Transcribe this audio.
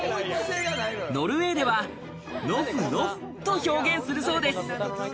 ノルウェーではノフノフと表現するそうです。